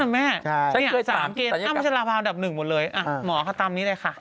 แม่สามเกณฑ์อ้ำพัชราภาวดับหนึ่งหมดเลยหมอเขาตามนี้เลยค่ะ